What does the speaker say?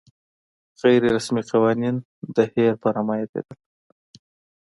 غیر رسمي قوانین د هیر په نامه یادېدل.